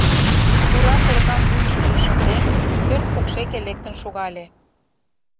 Пура коркам вуйышкыжо шынден, пӧрт покшеке лектын шогале.